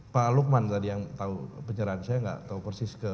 pak lukman tadi yang tahu penyerahan saya nggak tahu persis ke